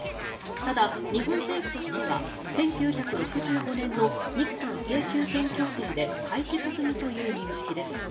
ただ、日本政府としては１９６５年の日韓請求権協定で解決済みという認識です。